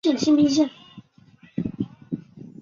祥记冯祥建筑有限公司是一间香港前上市公司。